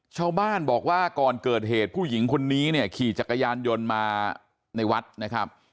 ชาวบ้านบอกว่าก่อนเกิดเหตุผู้หญิงคนนี้เนี่ยขี่จักรยานยนต์มาในวัดนะครับ